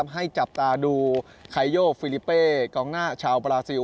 ให้จับตาดูไคโยฟิลิเป้กองหน้าชาวบราซิล